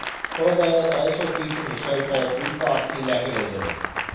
Perlbal also features a so-called "re-proxy" mechanism.